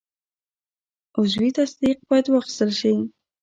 عضوي تصدیق باید واخیستل شي.